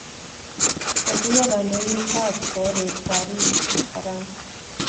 kotuiyo kandoikab koret paris, ufaransa